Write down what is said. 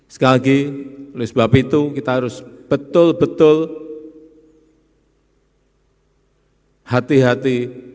sekali lagi oleh sebab itu kita harus betul betul hati hati